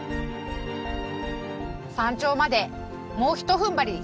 山頂までもうひとふんばり。